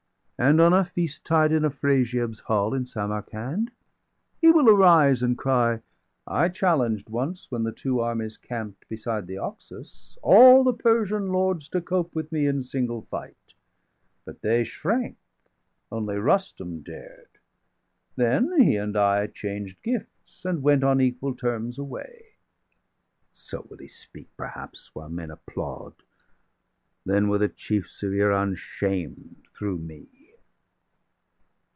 And on a feast tide, in Afrasiab's hall, 355 In Samarcand, he will arise and cry: 'I challenged once, when the two armies camp'd Beside the Oxus, all the Persian lords To cope with me in single fight; but they Shrank, only Rustum dared; then he and I 360 Changed gifts, and went on equal terms away.' So will he speak, perhaps, while men applaud; Then were the chiefs of Iran shamed through me."